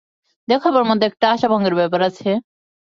দেখা হবার মধ্যে একটা আশাভঙ্গের ব্যাপার আছে।